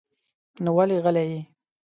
نو ولې غلی يې؟